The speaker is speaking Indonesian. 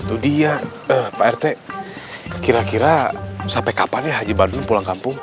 itu dia pak rt kira kira sampai kapan ya haji bandung pulang kampung